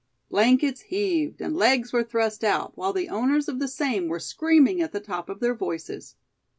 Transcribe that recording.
Blankets heaved, and legs were thrust out, while the owners of the same were screaming at the top of their voices.